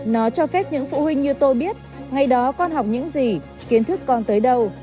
nó cho phép những phụ huynh như tôi biết ngày đó con học những gì kiến thức con tới đâu